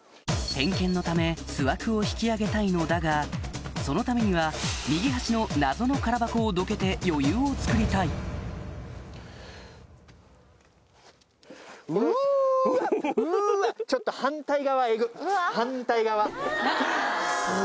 点検のため巣枠を引き上げたいのだがそのためには右端の謎のカラ箱をどけて余裕をつくりたい反対側。